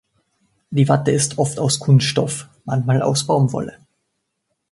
Die Watte ist oft aus Kunststoff, manchmal aus Baumwolle.